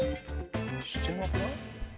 してなくない？